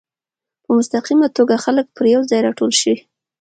په مستقیمه توګه خلک پر یو ځای راټول شي.